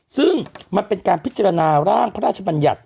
ซึ่งมันเป็นการพิจารณาร่างพระราชบัญญัติ